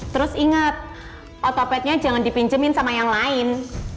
terus inget otopetnya jangan dipinjemin sama yang lain